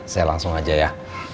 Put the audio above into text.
saya langsung aja ya